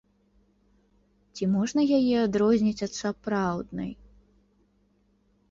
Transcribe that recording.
Ці можна яе адрозніць ад сапраўднай?